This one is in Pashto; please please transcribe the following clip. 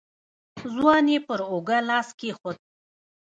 ځوان يې پر اوږه لاس کېښود.